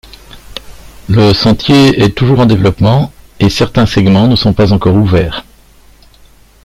Le sentier est toujours en développement, et certains segments ne sont pas encore ouverts.